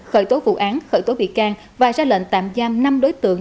khởi tố vụ án khởi tố bị can và ra lệnh tạm giam năm đối tượng